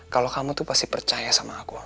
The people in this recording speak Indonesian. kalau kamu tuh pasti percaya sama aku